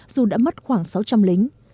dù đã mất khoảng sáu trăm linh lính